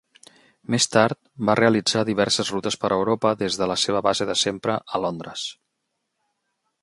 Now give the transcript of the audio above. Més tard, va realitzar diverses rutes per Europa des de la seva base de sempre a Londres.